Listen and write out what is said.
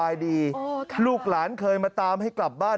ลูกหลานเคยมาตามให้กลับบ้าน